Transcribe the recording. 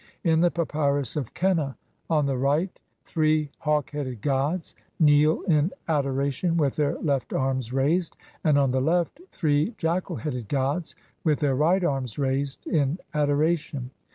In the Papvrus of Qenna on the right three hawk headed gods kneel in adoration with their left arms raised, and on the left three jackal headed gods, with their right arms raised in adoration.